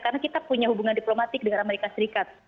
karena kita punya hubungan diplomatik dengan amerika serikat